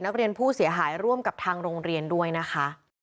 นักเรียนผู้เสียหายร่วมกับทางโรงเรียนด้วยนะคะ